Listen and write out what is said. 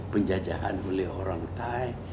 penjajahan oleh orang thai